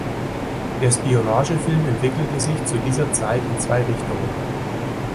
Der Spionagefilm entwickelte sich zu dieser Zeit in zwei Richtungen.